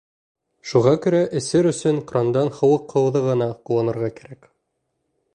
Шуға күрә эсер өсөн крандан һыуыҡ һыуҙы ғына ҡулланырға кәрәк.